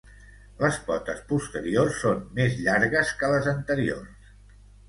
Les potes posteriors són més llargues que les anteriors.